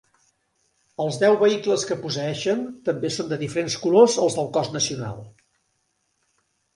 Els deu vehicles que posseeixen també són de diferents colors als del cos nacional.